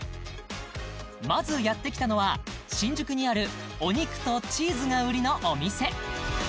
まずやってきたのは新宿にあるお肉とチーズが売りのお店